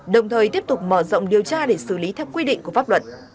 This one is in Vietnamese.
đồng thời tiếp tục mở rộng điều tra để xử lý theo quy định của pháp luật